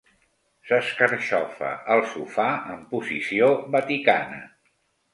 S'escarxofa al sofà en posició vaticana.